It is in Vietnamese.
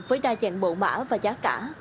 với đa dạng bộ mã và giá cả